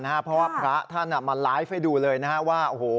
เพราะว่าพระท่านมาไลฟ์ให้ดูเลยว่า